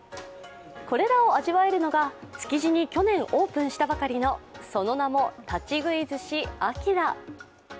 これらを味わえるのが築地に去年オープンしたばかりのその名も立喰い寿司あきら。